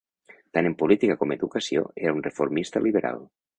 Tant en política com en educació, era un reformista liberal.